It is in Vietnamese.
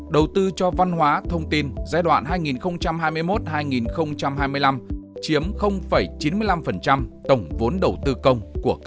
đầu tư cho văn hóa thông tin giai đoạn hai nghìn hai mươi một hai nghìn hai mươi năm chiếm chín mươi năm tổng vốn đầu tư công của các